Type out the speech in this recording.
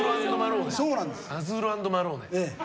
アズーロ＆マローネ。